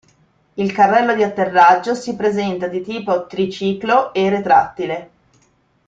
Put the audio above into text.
Il carrello di atterraggio si presenta di tipo triciclo e retrattile.